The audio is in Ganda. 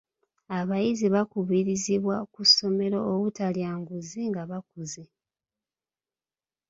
Abayizi bakubirizibwa ku ssomero obutalya nguzi nga bakuze.